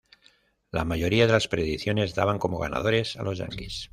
La mayoría de las predicciones daban como ganadores a los Yanquis.